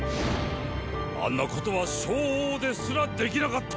あんなことは昭王ですらできなかった。